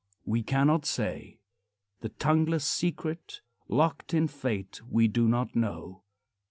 We cannot say. The tongueless secret locked in fate We do not know.